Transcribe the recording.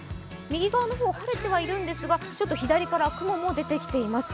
右側の方晴れてはいるんですが左から雲も出てきています。